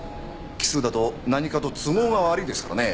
奇数だと何かと都合が悪いですからね。